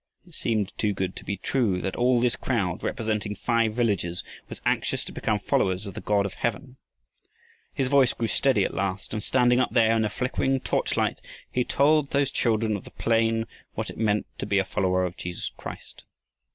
It seemed too good to be true that all this crowd, representing five villages, was anxious to become followers of the God of heaven. His voice grew steady at last, and standing up there in the flickering torchlight he told those children of the plain what it meant to be a follower of Jesus Christ.